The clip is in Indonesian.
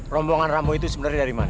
rombongan rembo itu sebenernya dari mana